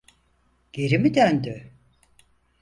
Geri mi döndü?